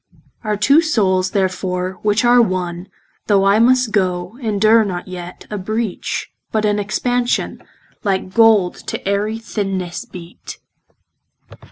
Our two soules therefore, which are one, Though I must goe, endure not yet A breach, but an expansion, Like gold to ayery thinnesse beate.